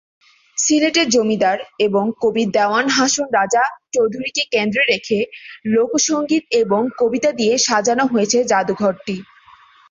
সিলেটের জমিদার এবং কবি দেওয়ান হাসন রাজা চৌধুরীকে কেন্দ্রে রেখে লোক সংগীত এবং কবিতা দিয়ে সাজানো হয়েছে জাদুঘর টি।